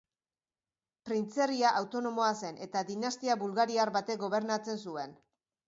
Printzerria autonomoa zen eta dinastia bulgariar batek gobernatzen zuen.